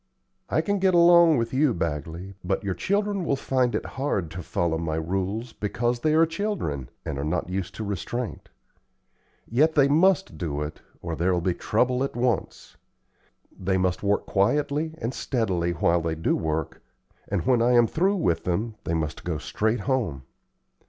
"I can get along with you, Bagley, but your children will find it hard to follow my rules, because they are children, and are not used to restraint. Yet they must do it, or there'll be trouble at once. They must work quietly and steadily while they do work, and when I am through with them, they must go straight home.